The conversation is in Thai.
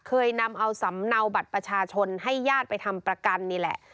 เคยนำเอาสำเนาบัตรประชาชนให้ญาติไปทำประกันนี่แหละ